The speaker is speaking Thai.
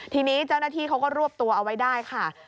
ทีนี้เจ้าหน้าที่เขาก็รวบตัวเอาไว้ได้ค่ะ